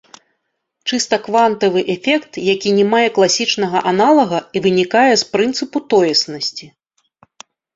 Чыста квантавы эфект, які не мае класічнага аналага і вынікае з прынцыпу тоеснасці.